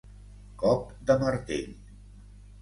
Cop de martell.